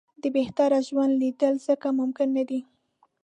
د بهتره ژوند لېدل ځکه ممکن نه دي.